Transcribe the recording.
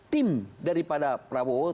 tim daripada prabowo